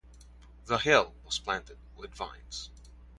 The hill was planted with vines.